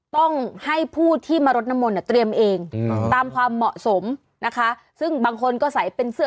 ต้องให้ผู้ที่มารถน้ำมนต์อะเตรียมเองตามความเหมาะสมนะคะ